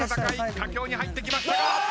佳境に入ってきましたが。